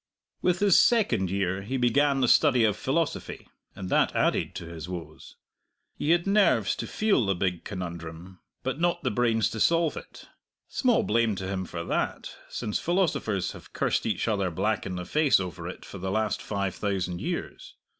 With his second year he began the study of philosophy, and that added to his woes. He had nerves to feel the Big Conundrum, but not the brains to solve it; small blame to him for that, since philosophers have cursed each other black in the face over it for the last five thousand years.